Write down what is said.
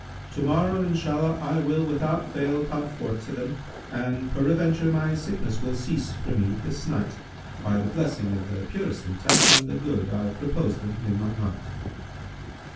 To morrow, Inshallah, I will without fail come forth to them, and peradventure my sickness will cease from me this night, by the blessing of the purest intent and the good I purpose them in my heart."